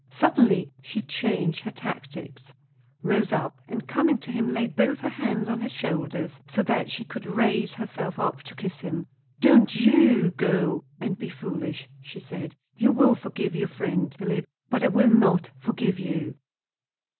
Suddenly she changed her tactics; rose up, and coming to him laid both her hands on his shoulders so that she could raise herself up to kiss him. "Don't you go and be foolish!" she said. "I will forgive your friend, Philip, but I will not forgive you!"